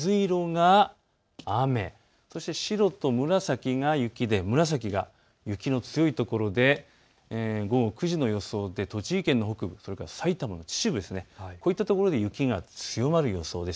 そして水色が雨、そして白と紫が雪で紫が雪の強いところで、午後９時の予想で栃木県の北部、それから埼玉の秩父、こういった所で雪が強まる予想です。